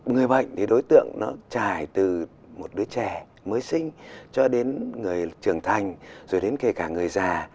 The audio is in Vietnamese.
người bệnh thì đối tượng nó trải từ một đứa trẻ mới sinh cho đến người trưởng thành rồi đến kể cả người già